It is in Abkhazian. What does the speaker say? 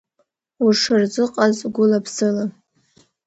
Ушырзыҟаз гәыла-ԥсыла.